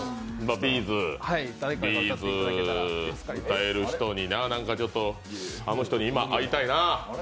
’ｚ、Ｂ’ｚ歌える人にな、あの人に今、会いたいな。